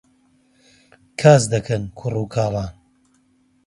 کاس دەکەن کوڕ و کاڵان